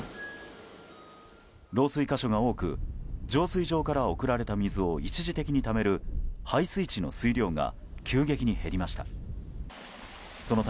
漏水箇所が多く浄水場から送られた水を一時的にためる配水池の水量が急激に減りました。